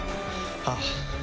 ああ。